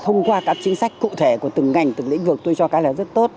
thông qua các chính sách cụ thể của từng ngành từng lĩnh vực tôi cho cái là rất tốt